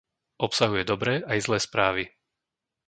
Obsahuje dobré aj zlé správy.